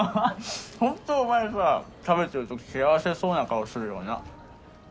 ホントお前さ食べてるとき幸せそうな顔するよな